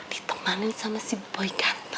ditemani sama si boy